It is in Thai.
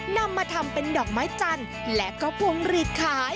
นำมาทำเป็นดอกไม้จันทร์และก็พวงหลีดขาย